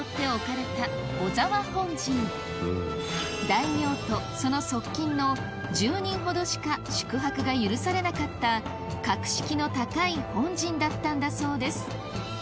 大名とその側近の１０人ほどしか宿泊が許されなかった格式の高い本陣だったんだそうです